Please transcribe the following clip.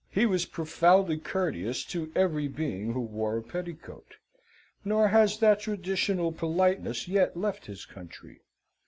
He was profoundly courteous to every being who wore a petticoat; nor has that traditional politeness yet left his country.